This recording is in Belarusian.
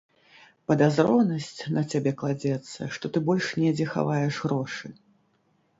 Падазронасць на цябе кладзецца, што ты больш недзе хаваеш грошы.